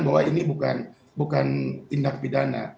bahwa ini bukan tindak pidana